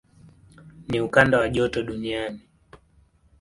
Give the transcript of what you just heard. Ni ukanda wa joto duniani.